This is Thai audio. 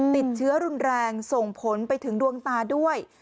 ติดเชื้อรุนแรงส่งผลไปถึงดวงตาด้วย